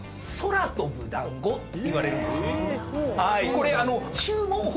これ。